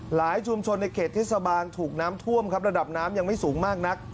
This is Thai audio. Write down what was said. ชุมชนในเขตเทศบาลถูกน้ำท่วมครับระดับน้ำยังไม่สูงมากนัก